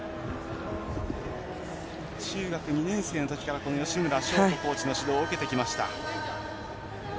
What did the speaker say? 中学２年生の時から吉村祥子コーチの指導を受けてきました。